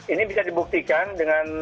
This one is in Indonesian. ini bisa dibuktikan dengan